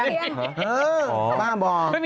เออต้องบอก